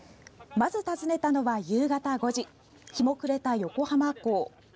まず訪ねたのは夕方５時、日も暮れた横浜港。